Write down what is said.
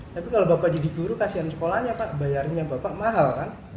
tapi kalau bapak jadi guru kasihan sekolahnya pak bayarnya bapak mahal kan